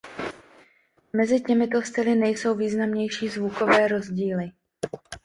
Mezi těmito styly nejsou významnější zvukové rozdíly.